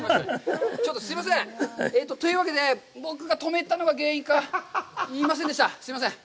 ちょっと、すいません、というわけで、僕が止めたのが原因か、すいませんでした。